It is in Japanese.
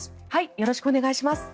よろしくお願いします。